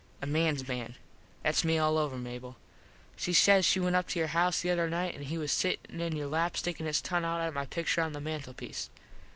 A mans man. Thats me all over, Mable. She says she went up to your house the other night an he was sittin in your lap stickin his tongue out at my pictur on the mantlepiece.